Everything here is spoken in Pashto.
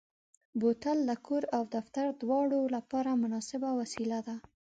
بوتل د کور او دفتر دواړو لپاره مناسبه وسیله ده.